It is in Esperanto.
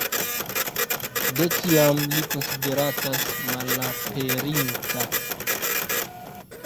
De tiam li konsideratas malaperinta.